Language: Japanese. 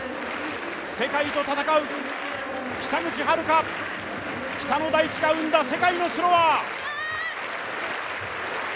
世界と戦う北口榛花、北の大地が生んだ世界のスローワー。